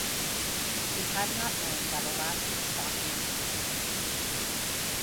He had not known that elastic stockings existed.